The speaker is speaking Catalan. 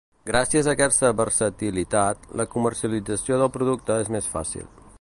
Gràcies a aquesta versatilitat, la comercialització del producte és més fàcil.